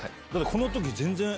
この時全然。